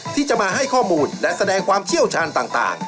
ที่จะมาให้ข้อมูลและแสดงความเชี่ยวชาญต่าง